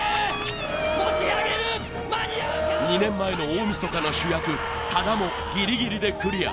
２年前の大晦日の主役多田もギリギリでクリア